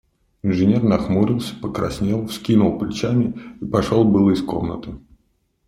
Инженер нахмурился, покраснел, вскинул плечами и пошел было из комнаты.